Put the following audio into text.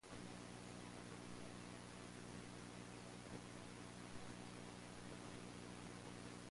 The number in brackets indicates the number of goals scored in all competitions.